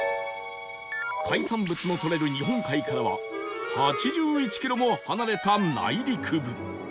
海産物のとれる日本海からは８１キロも離れた内陸部